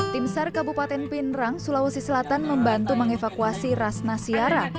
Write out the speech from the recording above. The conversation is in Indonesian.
tim sar kabupaten pinerang sulawesi selatan membantu mengevakuasi rasna siara